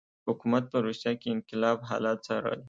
حکومت په روسیه کې انقلاب حالات څارل.